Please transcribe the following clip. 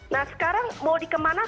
nah sekarang mau dikemana